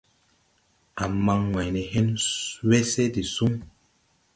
A man wāy ne hen wese de sun.